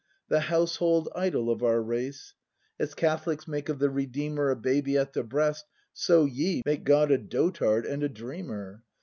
The household idol of our race. As Catholics make of the Redeemer A baby at the breast, so ye Make God a dotard and a dreamer.